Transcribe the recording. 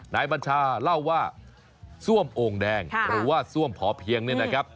บัญชาเล่าว่าซ่วมโอ่งแดงหรือว่าซ่วมพอเพียงเนี่ยนะครับ